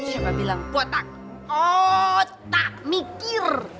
siapa bilang botak otak mikir